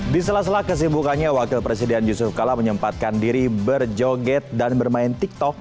di sela sela kesibukannya wakil presiden yusuf kala menyempatkan diri berjoget dan bermain tiktok